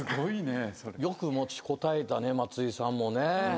よく持ちこたえたね松井さんもね。